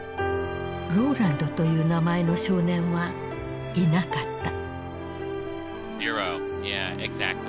ローランドという名前の少年はいなかった。